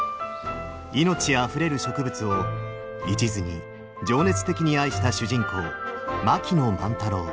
命あふれる植物をいちずに情熱的に愛した主人公槙野万太郎。